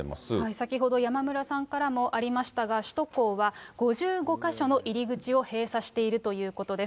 先ほど山村さんからもありましたが、首都高は５５か所の入り口を閉鎖しているということです。